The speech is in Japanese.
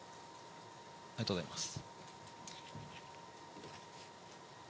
ありがとうございます。